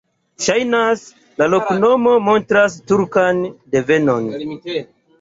Ŝajnas, la loknomo montras turkan devenon.